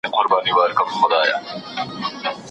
چېرته بل طن ته یوسه غزلونه مستانه دي.